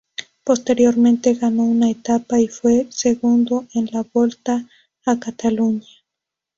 Posteriormente ganó una etapa y fue segundo en la Volta a Cataluña.